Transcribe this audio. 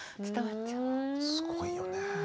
すごいよね。